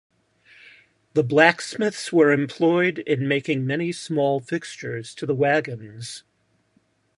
The blacksmiths were employed in making many small fixtures to the wagons.